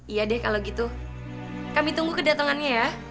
iya deh kalau gitu kami tunggu kedatangannya ya